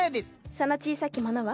その小さき者は？